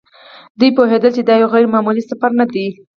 دوی پوهېدل چې دا یو غیر معمولي سفر نه دی.